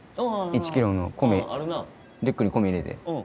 １キロの米リュックに米入れて。